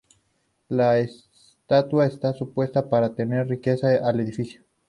La estatua está supuesta para traer riqueza al edificio.